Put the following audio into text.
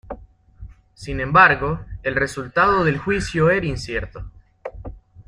Sin embargo, el resultado del juicio era incierto.